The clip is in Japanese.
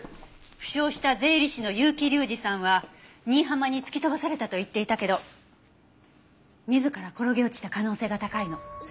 負傷した税理士の結城隆司さんは新浜に突き飛ばされたと言っていたけど自ら転げ落ちた可能性が高いの。